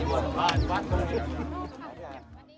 พี่พ่อกลับไปชะเทศนะพี่พ่อกลับไปชะเทศนะ